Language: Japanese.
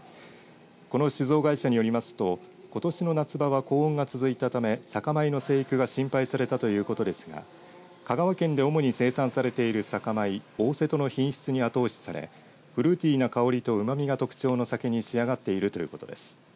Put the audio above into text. この酒造会社によりますとことしの夏場は高温が続いたため酒米の生育が心配されたということですが香川県で主に生産されている酒米オオセトの品質に後押しされフルーティーな香りとうまみが特徴の酒に仕上がっているということです。